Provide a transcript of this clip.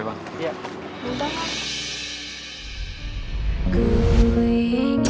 iya waktu itu aku membuatnya